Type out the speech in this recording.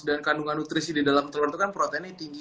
dan kandungan nutrisi di dalam telur itu kan proteinnya tinggi